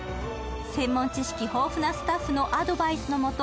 専門知識豊富なスタッフのアドバイズのもと